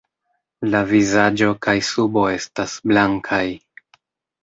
La vizaĝo kaj subo estas blankaj.